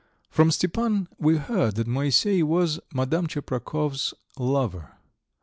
From Stepan we heard that Moisey was Madame Tcheprakov's lover.